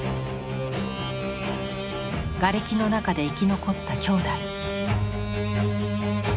瓦礫の中で生き残ったきょうだい。